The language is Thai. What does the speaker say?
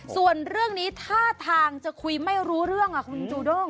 ส่วนเรื่องนี้ท่าทางจะคุยไม่รู้เรื่องคุณจูด้ง